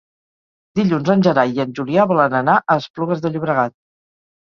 Dilluns en Gerai i en Julià volen anar a Esplugues de Llobregat.